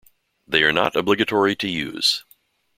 They are not obligatory to use.